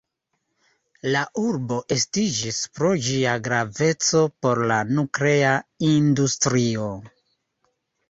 La urbo estiĝis pro ĝia graveco por la nuklea industrio.